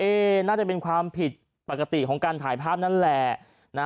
น่าจะเป็นความผิดปกติของการถ่ายภาพนั่นแหละ